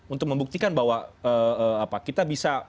untuk membuktikan bahwa kita bisa